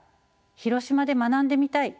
「広島で学んでみたい」